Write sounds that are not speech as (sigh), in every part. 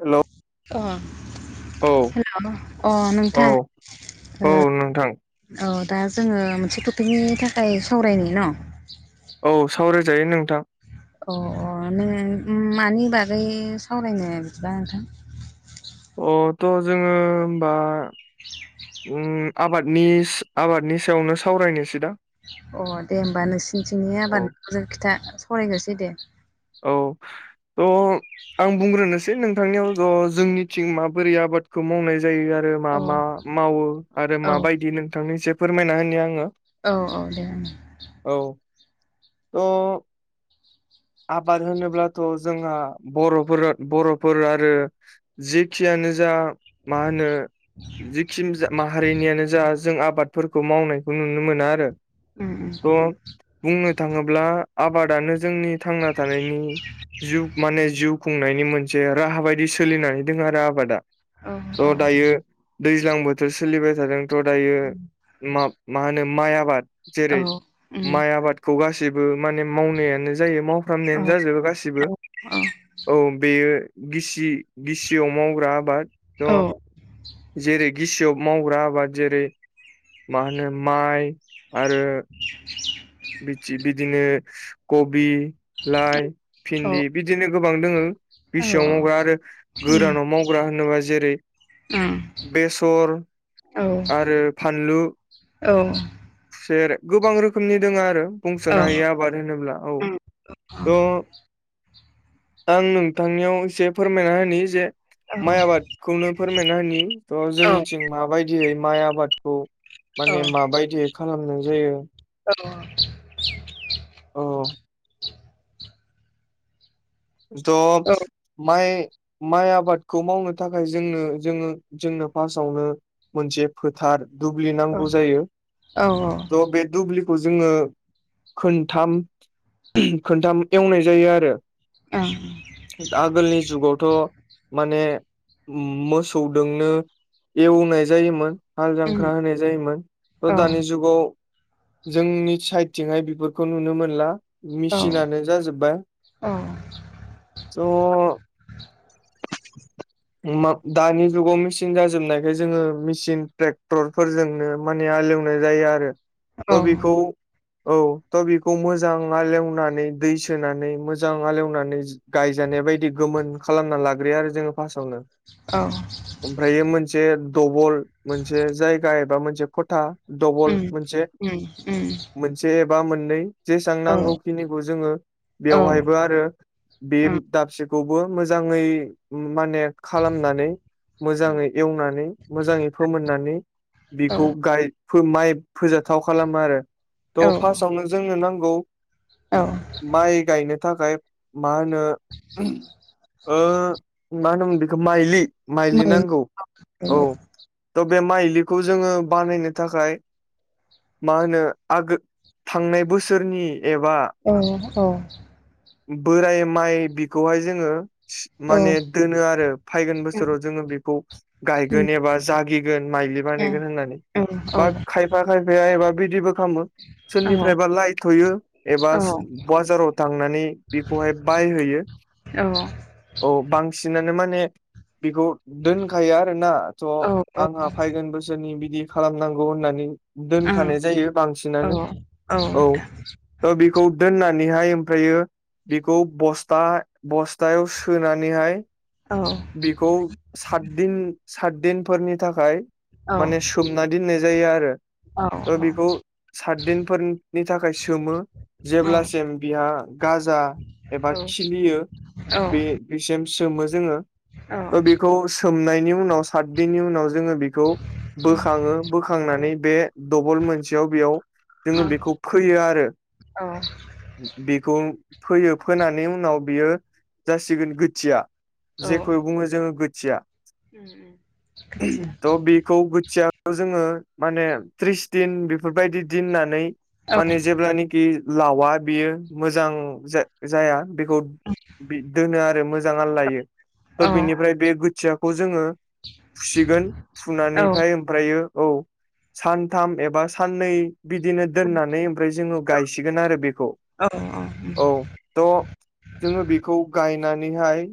Hello अ औ hello अ औ नोंथां औ नोंथां औ दा जोङो मोनसे टपिकनि थाखाय सावरायनाय न' औ सावरायजायो नोंथां अ अ नों मानि बागै सावरायनो बिदिबा नोंथां अ थ' जोङो होमबा आबादनि आबादनि सायावनो सावरायनोसै दा अ दे होमबा नोंसोरनिथिंनि औ आबाद नोंजों खिथा सावरायगोरसै दे औ थ' आं बुंग्रोनोसै नोंथांनियाव थ'' जोंनिथिं माबोरै आबादखौ मावनाय जायो आरो आरो मा औ मा मावो आरो औ माबायदि नोंथांनो इसे फोरमायना होनो आङो औ औ दे औ (unintelligible) आबाद होनोब्लाथ' जोंहा बर'फोर बर'फोर आरो जेखियानो जा मा होनो जखि जा माहारिनियानो जा जों आबादफोरखौ मावनायखौ नुनो मोना आरो उम थ' बुंनो थाङोब्ला आबादानो जोंनि थांना थानायनि माने जिउ खुंनायनि मोनसे मोनसे राहा बायदि सोलिनानै दं आरो आबादा उम औ थ दायो दैज्लां बोथोर सोलिबाय थादोंथ' दायो मा होनो माइ आबाद औ जेरै उम माइ आबादखौ गासैबो माने मावनायानो जायो औ मावफ्रामनायानो जाजोबो गासिबो उम औ उम औ औ औ बेयो गिसि गिसियाव मावग्रा आबाद थ' जेरै गिसियाव मावग्रा आबाद जेरै मा होनो माइ आरो (inaudible) बिदि बिदिनो कबि लाइ भिन्दि बिदिनो गोबां दोङो बिसिआव मावग्रा आरो गोदानाव मावग्रा होनोबा जेरै ओम बेसर आरो फानलु औ खुसेर गोबां रोखोमनि दङ आरो बुंसोनो हायि आबाद होनोब्ला औ थ आं नोंथांनियाव एसे फोरमायना होनि जे माइ आबादखौनो फोरमायना होनि थ जोंनिथिं माबायदियै माइ आबादखौ माने माबायदियै खालामनाय जायो औ औ दब माइ माइ आबादखौ मावनो थाखाय जोंनो जोङो जोंनो फार्सावनो मोनसे फोथार दुब्लि नांगौ जायो औ औ त बे दुब्लिखौ जोङो खोथाम खोनथाम एवनाय जायो आरो उम आगोलनि जुगावथ माने मोसौदोंनो एवनाय जायोमोन हाल उम जांख्रा होनाय जायोमोन त औ दानि जुगाव जोंनि साइथिंहाय बेफोरखौ नुनो मोनला मेचिनानो जाजोब्बाय अ थ (inaudible) दानि जुगाव मेचिन जाजोबनायखाय जोङो मेसिन ट्रेक्टर फोरजोंनो मानि हालेवनाय जायो आरो औ थ बेखौ औ थ बेखौ मोजां हालेवनानै दै सोनानै मोजां हालेव नानै गायजानाय बायदि गोमोन खालामना लाग्रोयो आरो जोङो फारसावनो ओं ओमफ्रायो मोनसे दबल मोनसे जायगा एबा मोनसे खथा दबल उम मोनसे उम उम मोन से एबा मोननै जेसां औ नांगौ खिनिखौ जोङो औ बेयावहायबो आरो बे उम दाबसेखौबो मोजाङै माने खालामनानै मोजाङै एवनानै मोजाङै फोमोननानै बिखौ गाय फो माइ फोजाथाव खालामो आरो औ त औ फार्स्टावनो जोंनो नांगौ औ माइ गायनो थाखाय मा होनो ओ मा होनोमोन बेखो माइलि माइलि मोजां नांगौ औ त बे माइलिखौ जोङो बानायनो थाखाय मा होनो आगो थांनाय बोसोरनि एबा अ अ बोराय माइ बिखौहाय जोङो माने उम दोनो आरो फायगोन उम बोसोराव जोङो बेखौ गायगोन एबा जागिगोन माइलि ए बानायगोन होननानै (unintelligible) एबा खायफा खायफाया एबा बिदिबो खालामो सोरनिफ्रायबा औ लाइथयो एबा बाजाराव थांनानै बेखौहाय बायहोयो औ औ बांसिनानो माने बेखौ दोनखायो आरोना त ओं आंहा फागोन बोसोरनि बिदि खालामनांगौ होननानै दोनखानाय जायो बांसिनानो औ ओ बेखौ दोननानैहाय ओमफ्रायो बिखौ बस्था बस्थायाव सोनानैहाय औ बिखौ सातदिन सातदिनफोरनि थाखाय माने सोमना दोननाय जायो आरो ओ औ बेखौ सातदिनफोरनि थाखाय सोमो जेब्लासिम बिहा गाजा एबा खिलियो बे बिसिम सोमो जोङो थ' बेखौ सोमनायनि उनाव सातबिननि उनाव जोङो बिखौ बोखाङो बोखांनानै बे दबल मोनसेयाव बेयाव जोङो बेखौ फैयो आरो बेखौ फोयो फोनानै उनाव बियो जासिगोन खोथिया। औ जेखौ उम बुङो जोङो गोथिया। (inaudible) खौ बोथियाखौ जोङो माने त्रिस दिन बेफोरबायदि दोननानै माने औ जेब्लानाखि लावा बेयो मोजां जाया बेखौ दोनो आरो मोजां आलायनानै। थ' औ बिनिफ्राय बे खोथियाखौ जोङो फुसिगोन औ फुनानैहाय ओमफ्रायो औ सानथाम एबा साननै बिदिनो दोननानै ओमफ्राय जोङो गायसिगोन आरो बेखौ। औ औ औ थ' जोङो बेखौ गायनानैहाय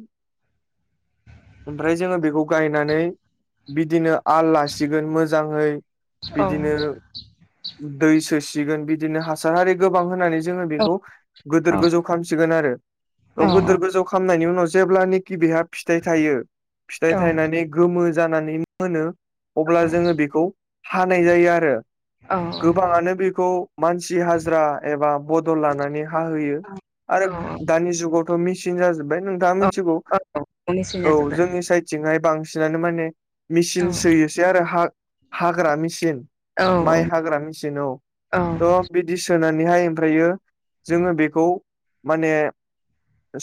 ओमफ्राय जोङो बेखौ गायनानै बिदिनो आल लासिगोन मोजाङै बिदिनो दै सोसिगोन बिदिनो हासार हारि गोबां होनानै जोङो बेखौ गिदोर गोजौ खामसिगोन आरो औ गैदोर गोजौ खामनायनि उनाव जेब्लानोखि बेहा फिथाइ थायो फिथाइ थायनानै गोमो जानानै मोनो अब्ला जोङो बेखौ हानाय जायो आरो। औ गोबाङानो बेखौ मानसि हाजिरा एबा बदल लानानै हाहोयो। आरो औ दानि जुगावथ' मेचिन जाजोबबाय नोंथाङा मि सिन औ मेसेना औ जोब्बाय जोंनिसाद थिंहाय बांसिनानो माने औ मेचिन सोयोसै आरो हा हाग्रा एसे औ माइ हाग्रा मेसिन औ थ' बिदि सोनानैहाय ओमफ्रायो जोङो बेखौ माने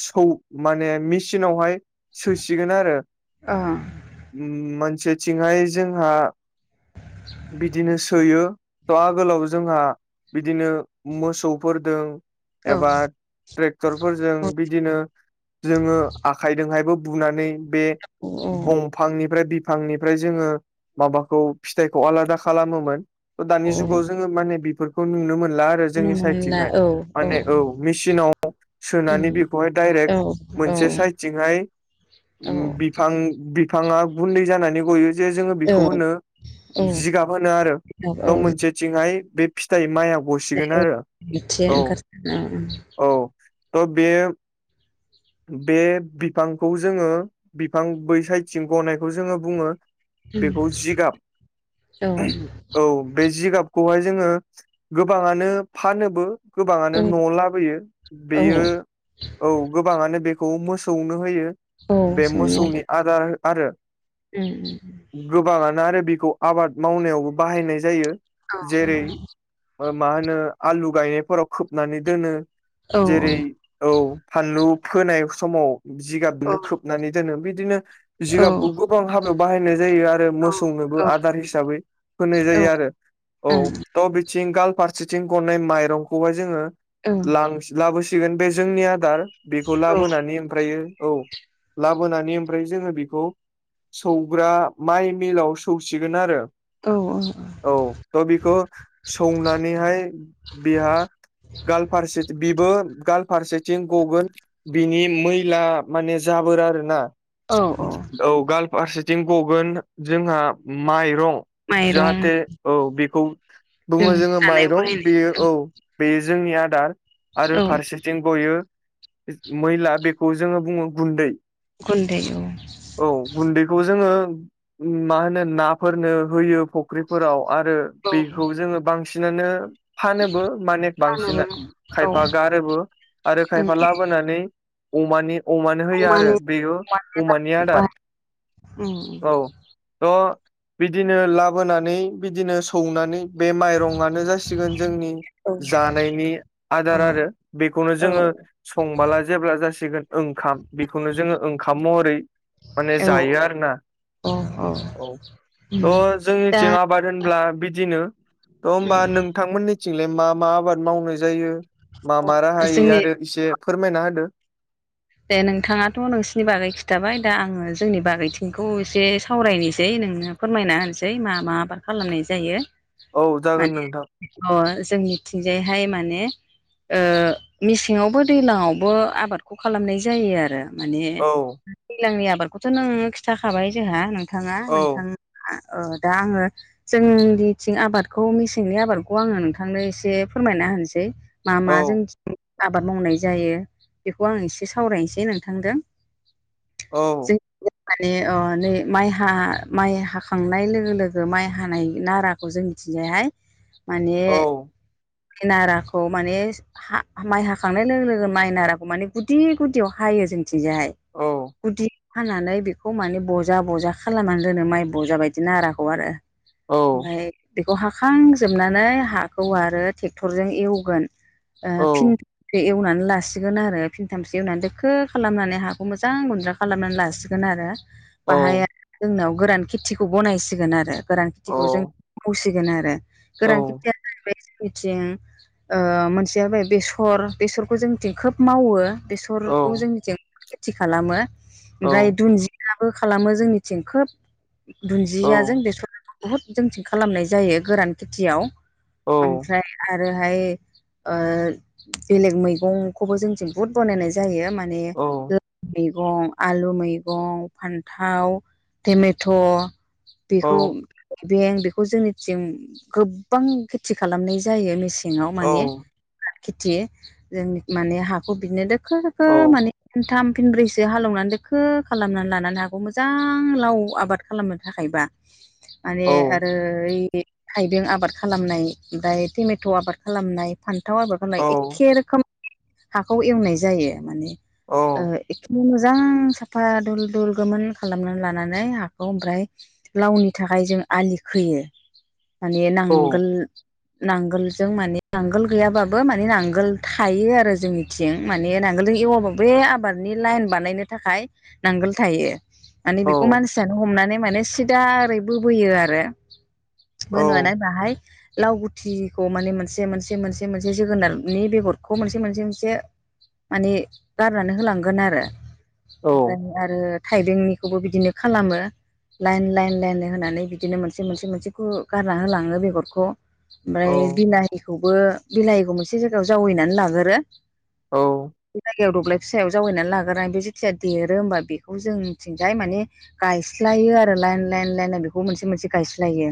सौ माने मेचिनावहाय सोसिगोन आरो मोनसेथिंहाय जोंहा बिदिनो सोयो जा आगोलाव जोंहा बिदिनो मोसौफोरदों औ औ एबा ट्रेक्टर फोरजों बिदिनो जोङो आखायजोंहायबो बुनानै बे औ दंफांनिफ्राय बिफांनिफ्राय जोङो माबाखौ फिथाइखौ आलादा खालामोमोन दानि औ जुगाव जोङो माने बे खौ नुनो मोनला आरो जोंनि नुनो मोनला सायथिंहाय। औ माने औ मेचिनाव सोनानै उम बेखौहाय औ डाइरेक्ट औ मोनसे साइदथिंहाय बिफां बिफाङा गुन्दै जानानै गयो जे जोङो बेखौ होनो जिगाब होनो आरो। औ मोनसेथिंहाय बे फिथाइ माइयाव मिथियो ओंखार (unintelligible) औ थ' बे बे बिफांखौ जोङो बिफां बै साइदथिं गनायखौ जोङो बुङो बेखौ जिगाब औ बे जिगाबखौहाय जोङो गोबाङानो फानोबो गोबाङानो न'आव औ लाबोयो औ बेयो औ गोबाङानो बेखौ मोसौनो होयो औ बे मोसौनि आदार आरो उम गोबाङानो आरो बेखौ आबाद मावनायावबो बाहायनाय जायो जेरै मा होनो आलु गायनायफोराव खोबनानै दोनो औ जेरै औ फानलु फोनाय समाव औ जिगाबजोंनो खोबनानै दोनो बिदिनो जिगाबखौ औ औ गोबां हाबायाव बाहायनाय जायो आरो औ मोसौनोबो आदार हिसाबै होनाय औ ओं जायो आरो औ ता बिथिं गाल फारसेथिं गननाय माइरंखौहाय जोङो औ लां लाबोसिगोन बे जोंनि आदार बेखौ लाबोनानै ओमफ्राय औ लाबोनानै ओमफ्राय जोङो बेखौ सौग्रा माइ मिलाव सौसिगोन आरो औ औ औ त' बेखौ सौनानैहाय बेहा गालफारसेथिं बिबो गाल फारसेथिं गगोन बिनि मैला माने जाबोरो आरो ना औ गाल फारसेथिं गगोन जोंहा माइरं माइरं जाहाथे औ बेखौ जों बुङो जोङो जानायाव माइरं बेयो बाहायनाय औ बेयो जोंनि आदार आरो औ फारसे थिं गयो मैला बेखौ जोङो बुङो गुन्दै गुन्दै औ औ गुन्दैखौ जोङो मा होनो नाफोरनो होयो फुख्रिफोराव आरो औ बेखौ जोङो बांसिनानो फानोबो माने बांसिन फानोबो औ खायफा गारोबो आरो उम खायफा लाबोनानै अमानि अमानो होयो आरो अमानि बेयो अमा अमानि लेदारखौ आदार बाहाय उम औ द' बिदिनो लाबोनानै बिदिनो सौनानै बे माइरंयानो जासिगोन जोंनि औ जानायनि आदार औ आरो बेखौनो औ जोङो संबाला जेब्ला जासिगोन ओंखाम बेखौनो जोङो ओंखाम महरै माने औ जायो आरो ना औ दा थ'जोंनिथिं आबाद होनब्ला बिदिनो थ' होनबा नों नोंथांमोननिथिंलाय मा मा आबाद मावनाय जायो मा मा राहायै जोंनि आरो इसे फोरमायना होदो दे नोंथाङाथ' नोंसिनि बागै खिथाबाय दा आङो जोंनि बागैथिंखौ एसे सावरायनोसै नोंनो फोरमायना होनसै मा मा आबाद खालामनाय जायो औ जागोन माने नोंथां अ जोंनिथिंजायहाय माने मेसेङावबो दैलाङावबो आबादखौ खालामनाय जायो आरो माने औ दैलांनि आबादखौथ' नोङो खिन्थाखाबाय जोंहा नोंथाङा नोंथां औ दा आङो जोंनिथिं आबादखौ मेसेंनि आबादखौ आङो नोंथांनो एसे फोरमायना होनोसै मा मा औ जोंथिं आबाद मावनाय जायो बेखौ आं एसे सावरायनोसै नोंथांजों औ जों माने नै माइ हा माइ हाखांनाय लोगो लोगो माइ हानाय नारा खौ जोंथिंजायहाय माने नाराखौ माने हा माइ हाखांनाय लोगो लोगो माइ नाराखौ माने गुदि गुदियाव हायो जोंथिंजायहाय औ गुदि हानानै बेखौ माने बजा बजा खालामनानै दोनो माइ बजा बायदिनो नाराखौ आरो औ ओमफाय बेखौ हाखांजोबनानै हाखौ आरो ट्रेक्टरजों एवगोन औ फिन ब्रै एवनानै लासिगोन आरो फिनथामसो एवनानै दोखो खालामनानै हाखौ मोजां गुन्द्रा खालामनानै लासिगोन आरो औ बाहाय‌ जोंनाव गोरान खेथिखौ बनायसिगोन आरो गोरान औ खेथिखौ जों मावसिगोन आरो औ गोरान खेथिया नै बे जोंनिथिं मोनसे जाबाय बेसर बेसरखौ जोंनिथिं खोब मावो बेसरखौ जोंनिथिं खेथि खालामो ओमफ्राय दुन्जिया याबो खालामो जों मनथिं खोब औ दुन्जिया जों बेसर। बुहुद जोंथिं खालामनाय जायो। गोरान खेथियाव ओमफ्राय आरो आरोहाय बेलेग मैगंखौबो जोंथिं बुहुत बानायनाय जायो। मा ने औ (unintelligible) (unintelligible) मैगं आलु मैगं फान्थाव टमेट'। औ बेखौ बें बेखौ जोंनिथिं गोबां खेथि खालामनाय जायो मेसेंआव माने खेथि जों माने हाखौ बिदिनो दोखो दोखो माने फिनथाम फिनब्रैसो हालेवनानै दोखो खालामनानै लानानै हागौ मोजां लाव आबाद खालामनो थाखायबा माने औ आरो ओइ थाइबें आबाद खालामनाय ओमफ्राय टमेट' आबाद खालामनाय फान्थाव आबाद खालामनाय एखे रोखोम हाखौ एवनाय जायो। माने एखे मोजां साफा दुल दुल गोमोन खालामनानै लानानै हाखौ ओमफ्राय लावनि थाखाय जों आलि खोयो माने नांगोल नांगोलजों माने नांगोल गैयाबाबो माने नांगोल थायो आरो जोंनि जोंनिथिं माने नांगोलजों एवाबाबो बे आबादनि लाइन बानायनो थाखाय नांगोल थायो। माने बेखौ मानसियानो हमनानै माने सिदा ओरै बोबोयो आरो बोनानै बाहाय लाव गुथिखौ माने मोनसे मोनसे मोनसे मोनसे जोगोनारनि बेगरखौ मोनसे मोनसे मोनसे माने गारनानै होलांगोन आरो ओमफ्राय आरो थाइबेंनिखौबो बिदिनो खालामो। लाइन लाइन लाइन होनानै बिदिनो मोनसे मोनसे मोनसेखौ गारना होलाङो बेगरखौ। ओमफ्राय बिलाहिखौबो बिलाहिखौ मोनसे जायगायाव जावैनानै लागोरो। औ। बे जायगायाव दब्लाय फिसायाव जावयैनानै लाग्रोनानै बे जेथिया देरो होमबा बेखौ जोंथिंजाय माने गायस्लायो आरो लाइन लाइन लाइन बेखौ मोनसे मोनसे गायस्लायो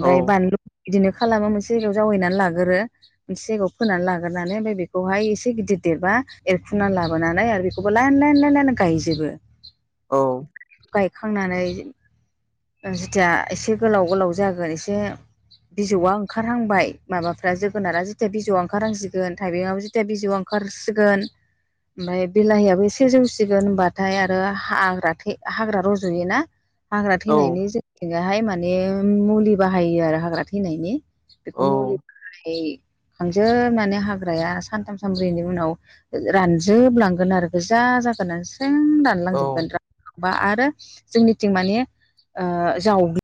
औ औ बानलु बिदिनो खालामो मोनसे जायगायाव जावैनानै लागोरो मोनसे जायगायाव फोनानै लाग्रोरनानै ओमफ्राय बेखौहाय एसे एसे गिदिर देरबा एरखुनानै लाबोनानै आरो बेखौबो लाइन लाइन लाइन लाइन गायजोबो। औ गायखांनानै जेथिया एसे गोलाव गोलाव जागोन एसे बिजौआ ओंखारहांबाय माबाफ्रा जोगोनारा जेथिया बिजौवा ओंखारहांसिगोन थाइबेंआबो जेथिया बिजौ जिउआ ओंखारसिगोन ओमफ्राय बिलाहियाबो एसे जौसिगोन होनबाथाय आरो हाग्रा थ हाग्रा रज'यो ना‌। हाग्रा औ थैनायनि जोंथिहाय माने मुलि बाहायो आरो हाग्रा थैनायनि। बेखौ मुलि औ होखांजोबनानै माने हाग्राया सानथाम सानब्रैनि उनाव रानजोबलांगोन आरो गोजा जागोननानै स्रेम औ रानलांजोबगोन। बा आरो जोंनिथिं माने ओ जावग्लि